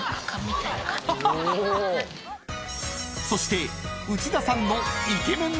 ［そして内田さんの］